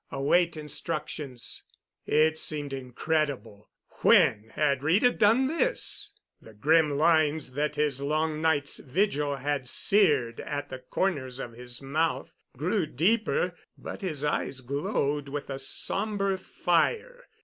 Await instructions." It seemed incredible. When had Rita done this? The grim lines that his long night's vigil had seared at the corners of his mouth grew deeper, but his eyes glowed with a sombre fire.